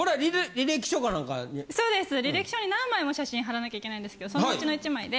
履歴書に何枚も写真貼らなきゃいけないんですけどそのうちの１枚で。